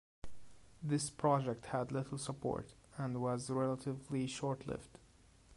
This project had little support and was relatively short-lived.